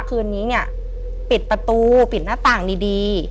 คืนนี้เนี่ยปิดประตูปิดหน้าต่างดี